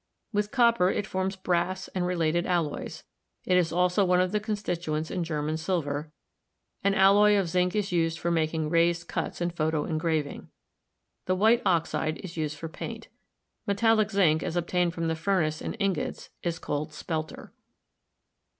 With copper it forms brass and related alloys; it is also one of the constituents in german silver ; an alloy of zinc is used for making raised cuts in photo engraving. The white oxide is used for paint. Metallic zinc, as obtained from the furnace in ingots, is called spelter.